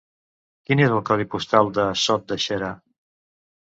Quin és el codi postal de Sot de Xera?